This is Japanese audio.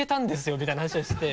みたいな話をして。